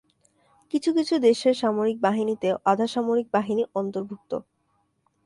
কিছু কিছু দেশের সামরিক বাহিনীতে আধাসামরিক বাহিনী অন্তর্ভুক্ত।